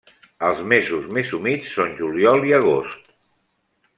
Els mesos més humits són juliol i agost.